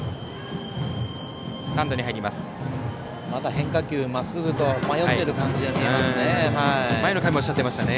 変化球、まっすぐと迷ってる感じがありますね。